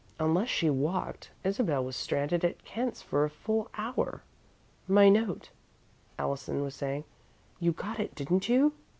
Unless she walked, Isabel was stranded at Kent's for a full hour. "My note," Allison was saying. "You got it, didn't you?"